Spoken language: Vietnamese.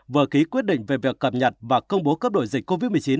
vừa ký quyết định về việc cập nhật và công bố cấp đổi dịch covid một mươi chín